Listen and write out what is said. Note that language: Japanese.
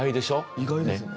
意外ですね。